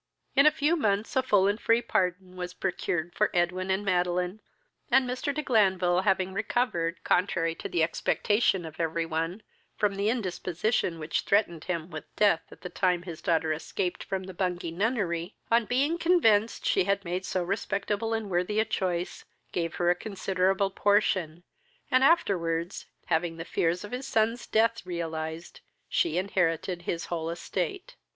In a few months a full and free pardon was procured for Edwin and Madeline, and Mr. de Glanville, having recovered, contrary to the expectation of every one, from the indisposition which threatened him with death at the time his daughter escaped from the Bungay nunnery, on being convinced she had made so respectable and worthy a choice, gave her a considerable portion, and afterwards, having the fears of his son's death realized, she inherited his whole estate.